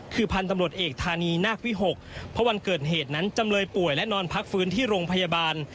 คือพันธุ์ตำรวจเอกธานีนาควิหกเพราะวันเกิดเหตุนั้นจำเลยป่วยและนอนพักฟื้นที่โรงพยาบาล